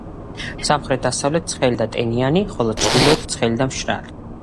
სამხრეთ-დასავლეთი ცხელი და ტენიანია, ხოლო ჩრდილოეთი ცხელი და მშრალი.